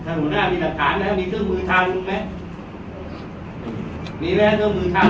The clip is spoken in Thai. หัวหน้ามีหลักฐานแล้วมีเครื่องมือทำถูกไหมมีไหมเครื่องมือทำ